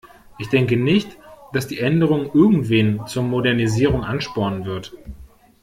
Ich denke nicht, dass die Änderung irgendwen zur Modernisierung anspornen wird.